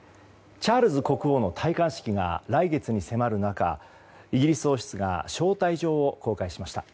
チャールズ国王の戴冠式が来月に迫る中、イギリス王室が招待状を公開しました。